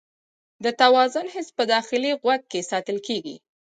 د توازن حس په داخلي غوږ کې ساتل کېږي.